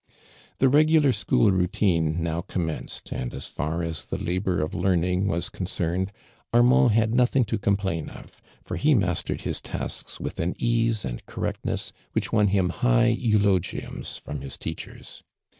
The regular school routine now com menced, and as far as tlie labor of learning was concerned, Arm; uid had nothing to complain of, foi' he mastiMed his tasks witii an ease aiicl corrrctncss which won him high eulogiums from iiis teachers.